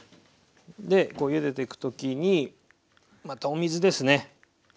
ゆでていく時にまたお水ですね。